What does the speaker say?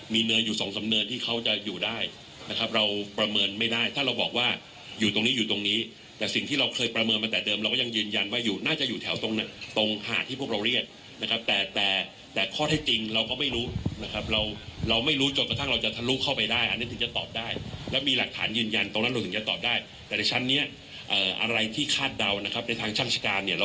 มีเนินอยู่สองสำเนินที่เขาจะอยู่ได้นะครับเราประเมินไม่ได้ถ้าเราบอกว่าอยู่ตรงนี้อยู่ตรงนี้แต่สิ่งที่เราเคยประเมินมาแต่เดิมเราก็ยังยืนยันว่าอยู่น่าจะอยู่แถวตรงหาดที่พวกเราเรียกนะครับแต่แต่ข้อเท็จจริงเราก็ไม่รู้นะครับเราเราไม่รู้จนกระทั่งเราจะทะลุเข้าไปได้อันนี้ถึงจะตอบได้แล้วมีหลักฐานยืนยันตรงนั้นเราถึงจะตอบได้แต่ในชั้นเนี้ยอะไรที่คาดเดานะครับในทางช่าง